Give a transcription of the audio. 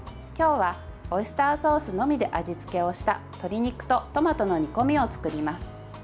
今日はオイスターソースのみで味付けをした鶏肉とトマトの煮込みを作ります。